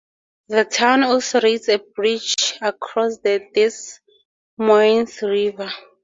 The town also rates a bridge across the Des Moines River.